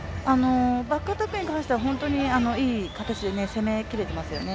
バックアタックに関しては非常にいい形で攻めきれていますよね。